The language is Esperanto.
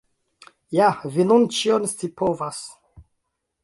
Ja vi nun ĉion scipovas!